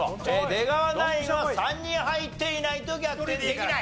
出川ナインは３人入っていないと逆転できない。